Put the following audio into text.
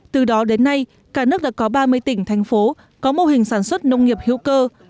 từ đó đến nay cả nước đã có ba mươi tỉnh thành phố có mô hình sản xuất nông nghiệp hữu cơ